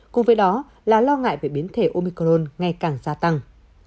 cùng với đó là lo ngại về biến thể omicron ngày càng gia tăng